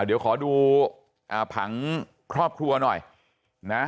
เดี๋ยวขอดูผังครอบครัวหน่อยนะ